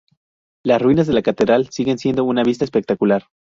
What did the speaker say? Las ruinas de la catedral siguen siendo una vista espectacular.